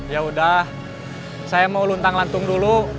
ya udah saya mau luntang lantang dulu